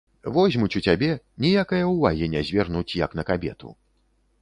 Возьмуць у цябе, ніякае ўвагі не звернуць як на кабету.